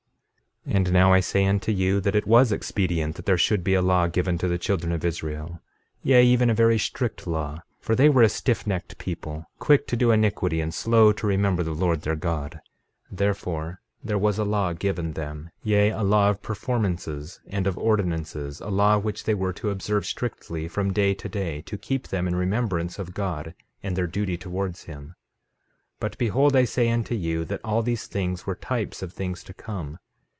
13:29 And now I say unto you that it was expedient that there should be a law given to the children of Israel, yea, even a very strict law; for they were a stiffnecked people, quick to do iniquity, and slow to remember the Lord their God; 13:30 Therefore there was a law given them, yea, a law of performances and of ordinances, a law which they were to observe strictly from day to day, to keep them in remembrance of God and their duty towards him. 13:31 But behold, I say unto you, that all these things were types of things to come.